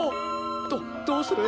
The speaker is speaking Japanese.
どどうする。